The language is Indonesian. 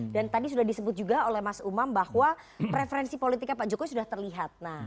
dan tadi sudah disebut juga oleh mas umam bahwa preferensi politiknya pak jokowi sudah terlihat